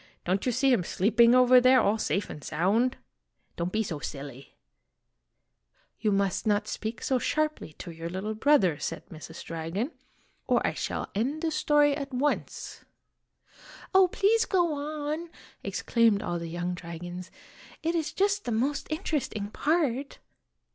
" Don't you see him sleeping over there, all safe and sound? Don't be 11 i " so silly !" You must not speak so sharply to your little brother," said Mrs. Dragon, "or I shall end the story at once !' "Oh, please go on," exclaimed all the young dragons; "it is just the most interesting part